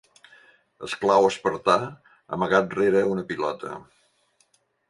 Esclau espartà amagat rere una pilota.